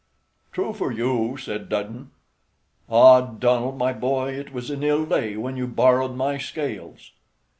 "True for you," said Dudden. "Ah, Donald, my boy, it was an ill day when you borrowed my scales!"